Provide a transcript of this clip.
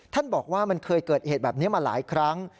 ท่านบอกว่ามันเคยเกิดเหตุแบบนี้มาหลายครั้ง